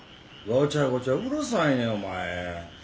ごちゃごちゃうるさいねんお前。